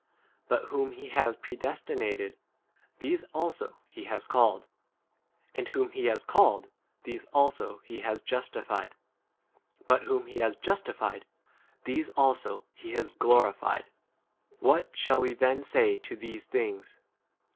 But whom he has predestinated, these also he has called ; and whom he has called, these also he has justified ; but whom he has justified, these also he has glorified. 81 What shall we then say to these things